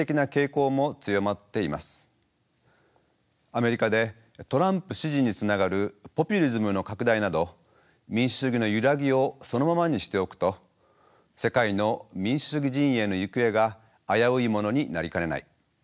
アメリカでトランプ支持につながるポピュリズムの拡大など民主主義の揺らぎをそのままにしておくと世界の民主主義陣営の行方が危ういものになりかねない。